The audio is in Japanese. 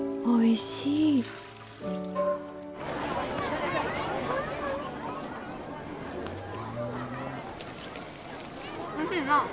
おいしいな？